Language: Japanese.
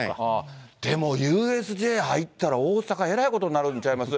でもＵＳＪ入ったら、大阪、えらいことになるんちゃいます。